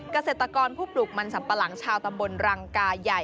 เกษตรกรผู้ปลูกมันสัมปะหลังชาวตำบลรังกายใหญ่